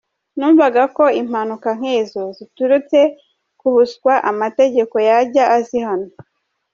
Numvaga ko impanuka nk’izo ziturutse ku buswa amategeko yajya azihana.